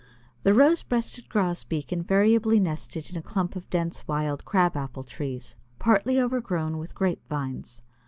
The Rose breasted Grosbeak invariably nested in a clump of dense wild Crab apple trees, partly overgrown with grape vines.